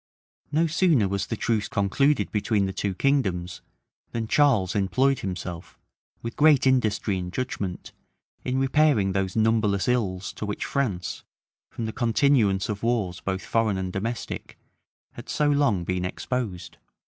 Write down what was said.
No sooner was the truce concluded between the two kingdoms, than Charles employed himself, with great industry and judgment, in repairing those numberless ills to which France, from the continuance of wars both foreign and domestic, had so long been exposed.